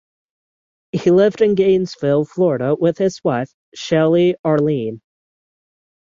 He lived in Gainesville, Florida with his wife, Shelley Arlen.